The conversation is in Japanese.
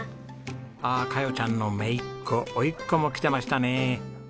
ああカヨちゃんのめいっ子おいっ子も来てましたね。